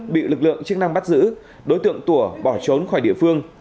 bị lực lượng chức năng bắt giữ đối tượng tủa bỏ trốn khỏi địa phương